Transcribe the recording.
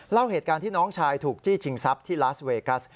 เล่าเหตุการณ์ที่น้องชายถูกจี้ชิงทรัพย์ที่ลาสเวกัส